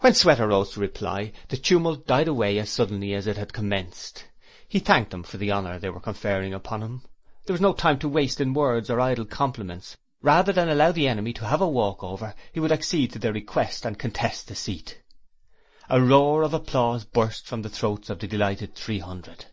When Sweater rose to reply, the tumult died away as suddenly as it had commenced. He thanked them for the honour they were conferring upon him. There was no time to waste in words or idle compliments; rather than allow the Enemy to have a walk over, he would accede to their request and contest the seat. A roar of applause burst from the throats of the delighted Three Hundred.